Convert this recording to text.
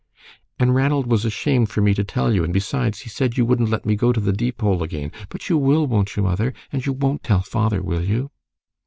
"And Ranald was ashamed for me to tell you, and besides, he said you wouldn't let me go to the Deepole again. But you will, won't you mother? And you won't tell father, will you?"